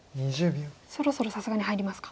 そろそろさすがに入りますか。